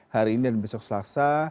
hari ini dan besok selasa